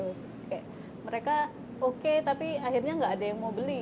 terus kayak mereka oke tapi akhirnya nggak ada yang mau beli